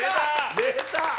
出た！